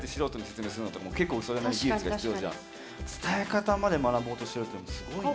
伝え方まで学ぼうとしてるってすごいね。